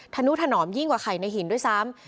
ธนุถนอมยิ่งกว่าไข่ในหินด้วยซ้ำ